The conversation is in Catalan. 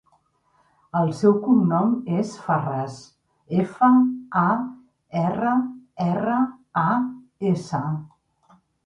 El seu cognom és Farras: efa, a, erra, erra, a, essa.